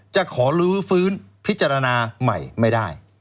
จะขอลื้อฟื้นพิจารณาใหม่ไม่ได้